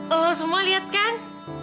lo semua liat kan